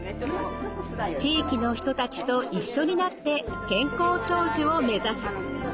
地域の人たちと一緒になって「健康長寿」を目指す。